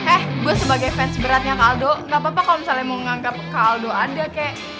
eh gue sebagai fans beratnya kak aldo gak apa apa kalo misalnya mau nganggep kak aldo ada kek